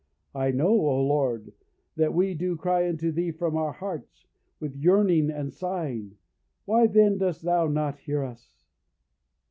I know, O Lord, that we do cry unto thee from our hearts, with yearning and sighing, why then dost thou not hear us?"